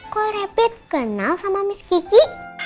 kok rabbit kenal sama miss kiki